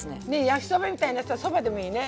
焼きそばみたいなさそばでもいいね。